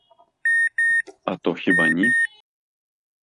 А то хіба ні?